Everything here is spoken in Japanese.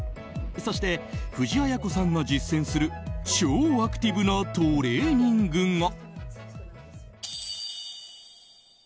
そして、藤あや子さんが実践する超アクティブなトレーニングが。